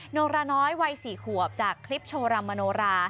โนราน้อยวัย๔ขวบจากคลิปโชว์รำมโนรา